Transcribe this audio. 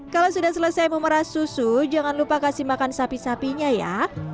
kalau sudah selesai memerah susu jangan lupa kasih makan sapi sapinya ya